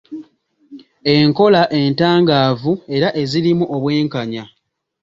Enkola entangaavu era ezirimu obwenkanya.